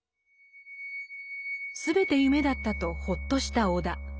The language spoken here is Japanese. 全て夢だったとほっとした尾田。